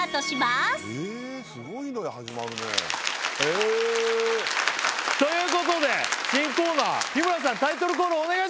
すごいのが始まるねへえということで新コーナー日村さんタイトルコールお願いします！